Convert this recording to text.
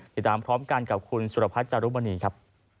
ติดตามพร้อมกันกับคุณสุรพัฒน์จารุมณีครับ